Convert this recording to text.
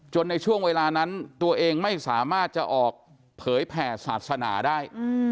ในช่วงเวลานั้นตัวเองไม่สามารถจะออกเผยแผ่ศาสนาได้